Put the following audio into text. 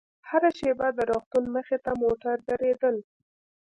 هره شېبه د روغتون مخې ته موټر درېدل.